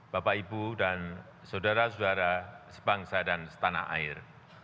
bapak ibu dan saudara saudara sebangsa dan setanah air